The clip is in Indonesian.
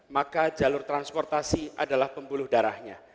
maka jalur transportasi adalah pembuluh darahnya